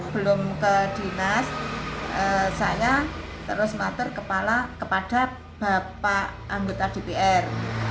belum ke dinas saya terus mater kepala kepada bapak anggota dpr